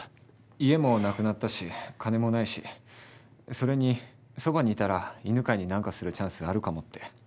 家もなくなったし金もないしそれにそばにいたら犬飼に何かするチャンスあるかもって。